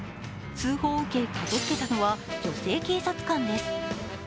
通報を受け駆けつけたのは女性警察官です。